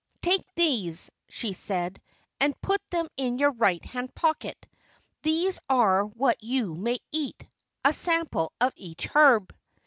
"Take these," she said, "and put them in your right hand pocket. These are what you may eat a sample of each herb."